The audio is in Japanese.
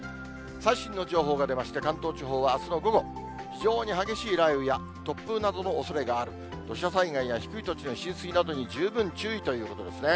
最新の情報が出まして、関東地方はあすの午後、非常に激しい雷雨や突風などのおそれがある、土砂災害や低い土地の浸水などに十分注意ということですね。